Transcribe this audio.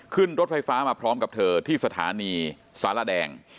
ขึ้นรถไฟฟ้ามาพร้อมกับเธอที่สถานีสารแดง